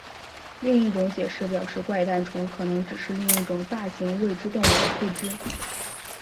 另一种解释表示怪诞虫可能只是另一种大型未知动物的附肢。